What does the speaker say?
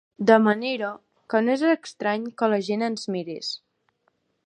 De manera que no és estrany que la gent ens mirés.